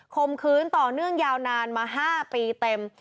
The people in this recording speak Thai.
มื้อต่อเนื่องยาวนานมา๕ปีเต็ม